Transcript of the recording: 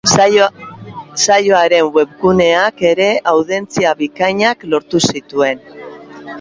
Saioaren webguneak ere audientzia bikainak lortu zituen.